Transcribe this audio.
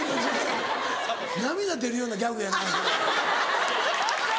涙出るようなギャグやなそれ。